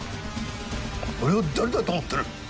俺を誰だと思ってる？